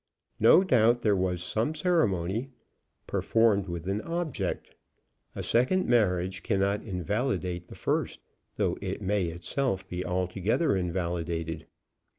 "No doubt there was some ceremony performed with an object. A second marriage cannot invalidate the first, though it may itself be altogether invalidated.